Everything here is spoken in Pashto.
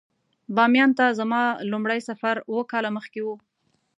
بامیان ته زما لومړی سفر اووه کاله مخکې و.